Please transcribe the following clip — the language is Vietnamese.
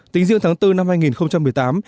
tính dự tháng bốn năm hai nghìn một mươi bảy